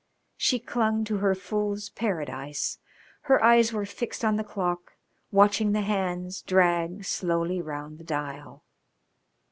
She clung to her fool's paradise. Her eyes were fixed on the clock, watching the hands drag slowly round the dial.